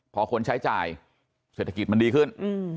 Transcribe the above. พอคนใช้จ่ายเศรษฐกิจมันดีขึ้น